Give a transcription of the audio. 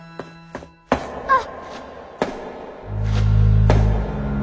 あっ。